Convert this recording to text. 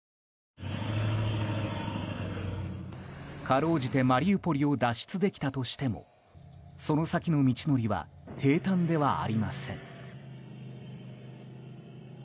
かろうじてマリウポリを脱出できたとしてもその先の道のりは平たんではありません。